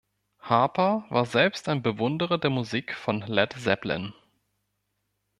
Harper war selbst ein Bewunderer der Musik von Led Zeppelin.